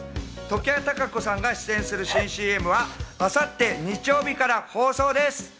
常盤貴子さんたちが出演する新ＣＭは明後日、日曜日から放送です。